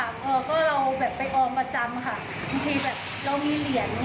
ก็เราก็เราแบบไปออมประจำค่ะบางทีแบบเรามีเหรียญอย่างเงี้ย